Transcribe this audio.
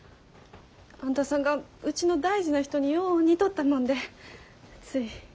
あんたさんがうちの大事な人によう似とったもんでつい。